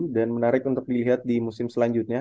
dan menarik untuk dilihat di musim selanjutnya